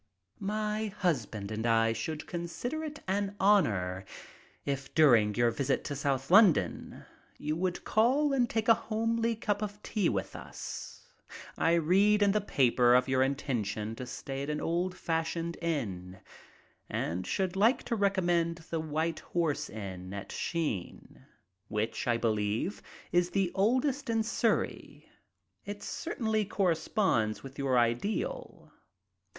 "My husband and I should consider it an honor if during your visit to South London you would call and take a homely cup of tea with us. I read in the paper of your intention to stay at an old fashioned inn, and should like to recommend the White Horse inn at Sheen, which, I believe, is the oldest in Surrey. It certainly corresponds with your ideal.